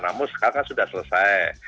namun sekarang kan sudah selesai